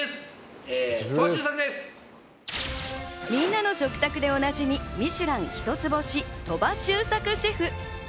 みんなの食卓でおなじみミシュラン１つ星・鳥羽周作シェフ。